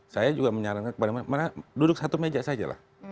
saya juga menyarankan kepada mereka duduk satu meja saja lah